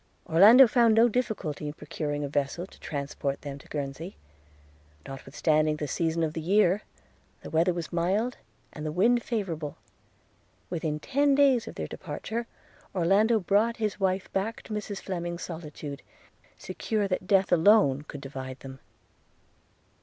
Orlando found no difficulty in procuring a vessel to transport them to Guernsey. – Notwithstanding the season of the year, the weather was mild, and the wind favourable. Within ten days from their departure, Orlando brought back his wife to Mrs Fleming's solitude, secure that death alone could divide them.